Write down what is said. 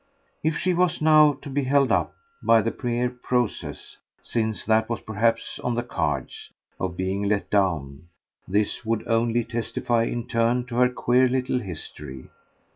If she was now to be held up by the mere process since that was perhaps on the cards of being let down, this would only testify in turn to her queer little history.